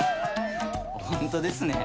本当ですね。